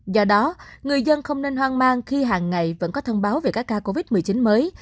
do đó người dân không nên hoang mang khi hàng ngày vẫn có thông báo về các ca covid một mươi chín mới